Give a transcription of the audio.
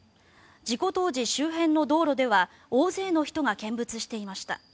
事故当時、周辺の道路では大勢の人が見物していました。